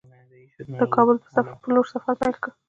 د کابل پر لور سفر پیل کړ.